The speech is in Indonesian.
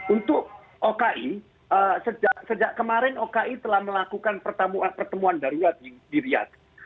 untuk oki sejak kemarin oki telah melakukan pertemuan darurat di riyad